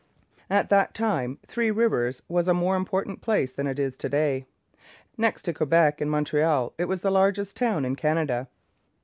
At that time Three Rivers was a more important place than it is to day. Next to Quebec and Montreal, it was the largest town in Canada.